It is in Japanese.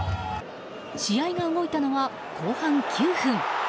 試合が動いたのは後半９分。